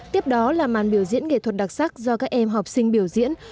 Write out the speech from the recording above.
tiếp đó là màn biểu diễn nghệ thuật đặc sắc do các em học sinh biểu diễn